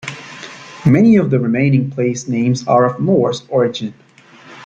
Many of the remaining place names are of Norse origin.